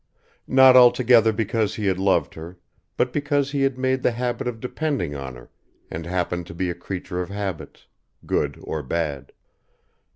Not altogether because he had loved her, but because he had made the habit of depending on her and happened to be a creature of habits ... good or bad.